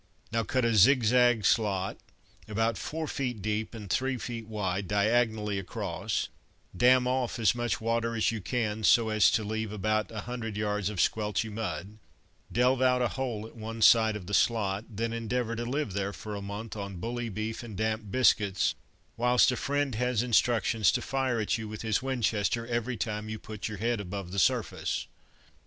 Now cut a zig zag slot about four feet deep and three feet wide diagonally across, dam off as much water as you can so as to leave about a hundred yards of squelchy mud; delve out a hole at one side of the slot, then endeavour to live there for a month on bully beef and damp biscuits, whilst a friend has instructions to fire at you with his Winchester every time you put your head above the surface.